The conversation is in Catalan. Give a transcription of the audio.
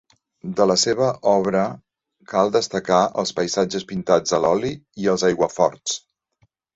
De la seva obra cal destacar els paisatges pintats a l'oli i els aiguaforts.